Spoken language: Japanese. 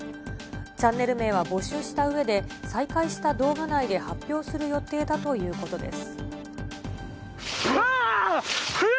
チャンネル名は募集したうえで、再開した動画内で発表する予定だということです。